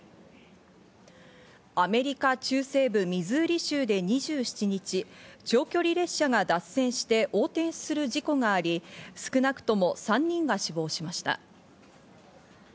アメリカ中西部、ミズーリ州で２７日、長距離列車が脱線して横転する事故があり、少なくとも３人が死亡しました。